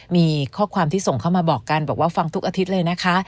มีข้อความที่ส่งเข้ามาบอกกันบอกว่าฟังทุกอาทิตย์เลยนะคะ